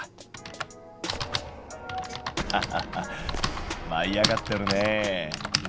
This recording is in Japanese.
ハハハッまい上がってるねえ。